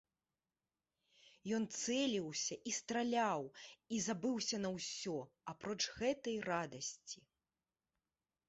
Ён цэліўся і страляў і забыўся на ўсё, апроч гэтай радасці.